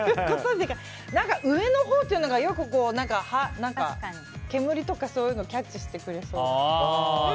上のほうというのが煙とか、そういうのをキャッチしてくれそうな。